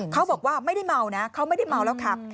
เขาบอกว่าไม่ได้เมานะเขาไม่ได้เมาแล้วขับ